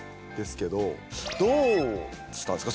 どうしたんですか？